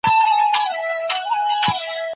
هغه بيولوژيکي علتونه رد کړي دي.